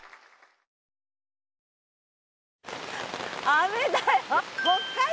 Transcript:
雨だよ。